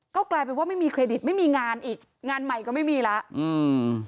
ก็กลายเป็นว่าไม่มีเครดิตไม่มีงานอีกงานใหม่ก็ไม่มีแล้วอืม